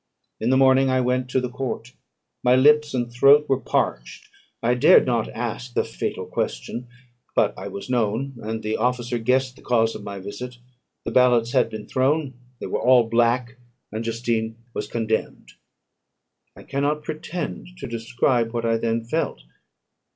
In the morning I went to the court; my lips and throat were parched. I dared not ask the fatal question; but I was known, and the officer guessed the cause of my visit. The ballots had been thrown; they were all black, and Justine was condemned. I cannot pretend to describe what I then felt.